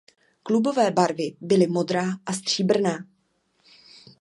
Klubové barvy byly modrá a stříbrná.